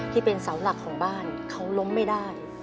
ที่เป็นเสาหลักของบ้านเขาล้มไม่ได้